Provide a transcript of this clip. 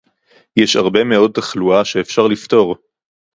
יש הרבה מאוד תחלואה שאפשר לפתור